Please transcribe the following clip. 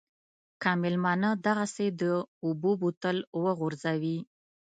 که مېلمانه دغسې د اوبو بوتل وغورځوي.